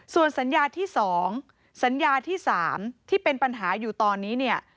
ส่วนสัญญาที่สองสัญญาที่สามที่เป็นปัญหาอยู่ตอนนี้